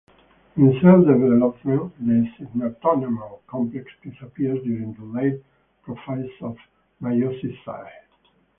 In cell development the synaptonemal complex disappears during the late prophase of meiosis I.